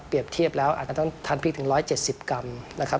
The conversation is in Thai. เปรียบเทียบแล้วอาจจะต้องทานเพียงถึง๑๗๐กรัมนะครับ